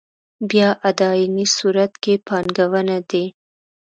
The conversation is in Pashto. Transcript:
بیا اداينې صورت کې پانګونه دي.